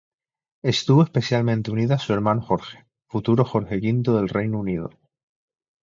Estuvo especialmente unida a su hermano Jorge, futuro Jorge V del Reino Unido.